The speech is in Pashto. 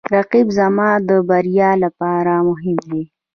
رقیب زما د بریا لپاره مهم دی